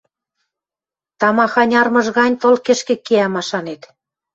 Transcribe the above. тамахань армыж гань тыл кӹшкӹ кеӓ машанет.